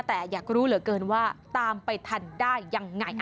แต่อยากรู้เหลือเกินว่าตามไปทันได้ยังไง